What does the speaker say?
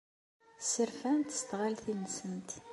Sserfan-t s tɣaltin-nsen.